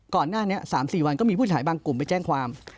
ก่อนหน้านี้๓๔วันก็มีผู้ฉายบางกลุ่มไปแจ้งความ